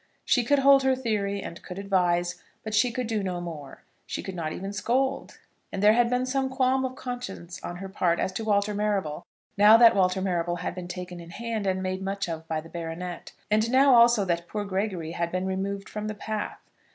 She could hold her theory, and could advise; but she could do no more. She could not even scold. And there had been some qualm of conscience on her part as to Walter Marrable, now that Walter Marrable had been taken in hand and made much of by the baronet, and now, also, that poor Gregory had been removed from the path.